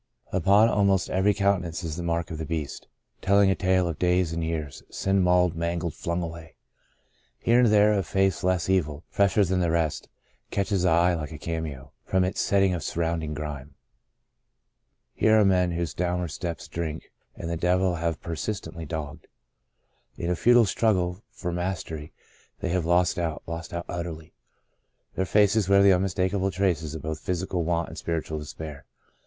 Upon almost every countenance is the mark of the Beast, tell ing a tale of days and years — sin mauled, mangled, flung away. Here and there a face less evil, fresher than the rest, catches the eye like a cameo, from its setting of sur rounding grime. Here are men whose downward steps drink and the devil have persistently dogged. In a futile struggle for self mas tery, they have lost out — lost out utterly. Their faces wear the unmistakable traces both of physical want and spiritual despair.